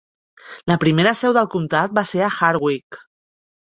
La primera seu del comtat va ser a Hardwick.